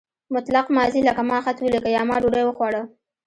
مطلق ماضي لکه ما خط ولیکه یا ما ډوډۍ وخوړه.